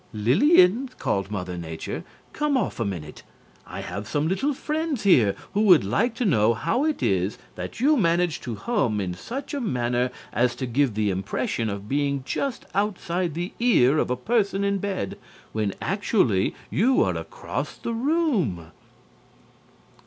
"Lillian," called Mother Nature, "come off a minute. I have some little friends here who would like to know how it is that you manage to hum in such a manner as to give the impression of being just outside the ear of a person in bed, when actually you are across the room."